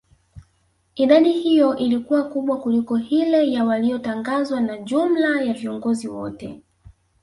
idadi hiyo ilikuwa kubwa kuliko hile ya waliyotangazwa na jumla ya viongozi wote